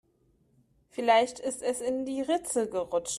Vielleicht ist es in die Ritze gerutscht.